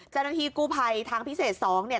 เจ้าหน้าที่กู้ภัยทางพิเศษ๒เนี่ย